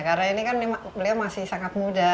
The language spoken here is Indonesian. karena beliau masih sangat muda